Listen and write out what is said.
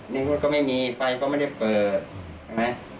นี่ก็ไม่มีไฟก็ไม่ได้เปิด